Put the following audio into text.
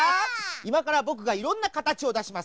いまからぼくがいろんなかたちをだします。